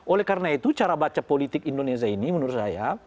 oleh karena itu cara baca politik indonesia ini menurut saya